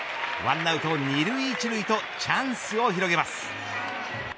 １アウト２塁１塁とチャンスを広げます。